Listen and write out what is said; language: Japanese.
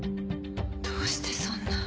どうしてそんな。